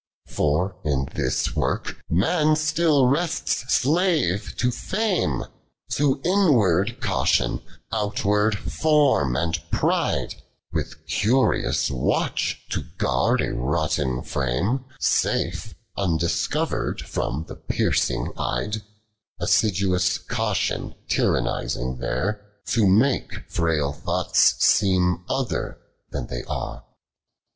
37. For in this work, man still rests slave to Fame, To inward caution, outward form and pride, With curious watch to guard a rotten frame Safe undiscovered from the piercing ey'd, Assidious Caution tyrannizing there. To moke frail thoughts seem other then they are.